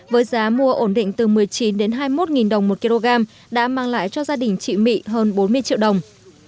với giá mua ổn định từ một mươi chín đến hai mươi một đồng một kg đã mang lại cho gia đình chị mị hơn bốn mươi triệu đồng